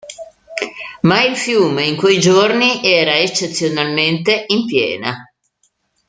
Ma il fiume in quei giorni era eccezionalmente in piena.